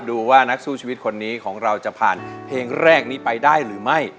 ดูว่านักสู้ชีวิตคนนี้ของเราจะผ่านเพลงแรกนี้ไปได้หรือไม่